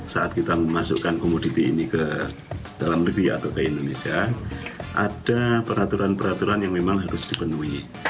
saat kita memasukkan komoditi ini ke dalam negeri atau ke indonesia ada peraturan peraturan yang memang harus dipenuhi